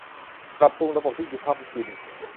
ปรับปรุงระบบที่ดินทำกิน